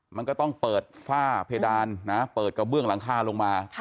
มันก็ต้องเปิดฝ้าเพดานนะเปิดกระเบื้องหลังคาลงมา